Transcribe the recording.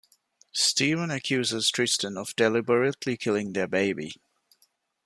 Stephen accuses Tristen of deliberately killing their baby.